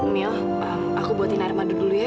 mil aku buatin air madu dulu ya